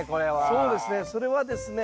そうですねそれはですね。